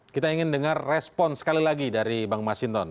kita ingin dengar respon sekali lagi dari bang masinton